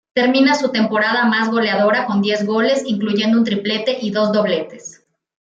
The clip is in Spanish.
Termina su temporada más goleadora con diez goles, incluyendo un triplete y dos dobletes.